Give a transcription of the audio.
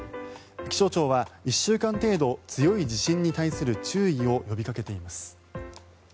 気象庁は１週間程度強い地震に対する注意を呼びかけています。